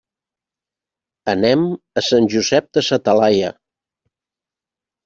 Anem a Sant Josep de sa Talaia.